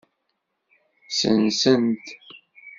Sensen-t.